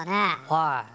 はい。